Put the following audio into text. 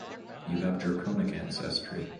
You have draconic ancestry.